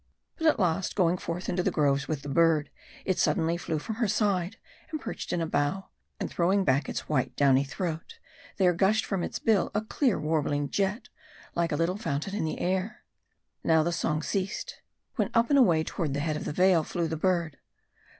But at last, going forth into the groves with the bird, it suddenly flew from her side, and perched in a bough ; and throwing back its white downy throat, there gushed from its bill a clear warbling jet, like a little fountain in air. Now the song ceased ; when up and away toward the head of the vale, flew the bird.